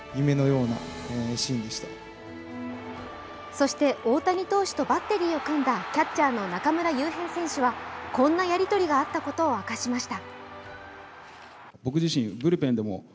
そして、大谷投手とバッテリーを組んだキャッチャーの中村悠平選手はこんなやり取りがあったことを明かしました。